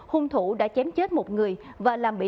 hung thủ đã chém chết một người